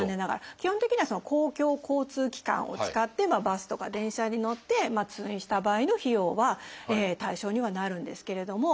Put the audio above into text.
基本的には公共交通機関を使ってバスとか電車に乗って通院した場合の費用は対象にはなるんですけれども。